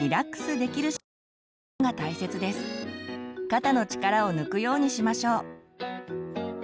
肩の力を抜くようにしましょう。